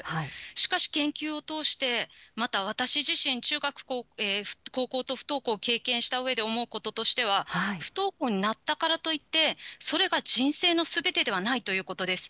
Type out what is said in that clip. しかし、研究を通して、また私自身、中学、高校と不登校を経験したうえで思うこととしては、不登校になったからといって、それが人生のすべてではないということです。